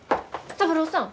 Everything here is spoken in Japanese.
三郎さん